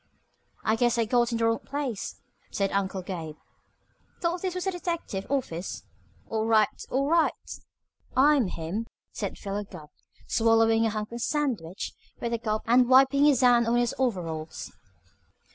"I guess I got in the wrong place," said Uncle Gabe. "Thought this was a detective office. All right! All right!" "I'm him," said Philo Gubb, swallowing a hunk of sandwich with a gulp and wiping his hand on his overalls.